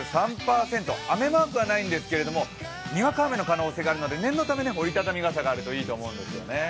雨マークはないんですけれども、にわか雨の可能性があるので念のため、折り畳み傘があるといいと思うんですよね。